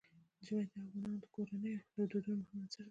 ژمی د افغان کورنیو د دودونو مهم عنصر دی.